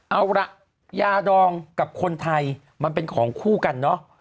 เอาล่ะยาดองกับคนไทยมันเป็นของคู่กันเนอะ